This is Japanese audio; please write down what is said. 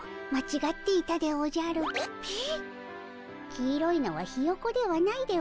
黄色いのはヒヨコではないでおじゃる。